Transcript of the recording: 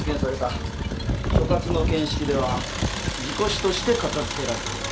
所轄の見識では事故死として片付けられている。